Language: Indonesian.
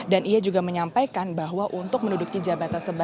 dan ia juga menyampaikan bahwa untuk menuduki jabatan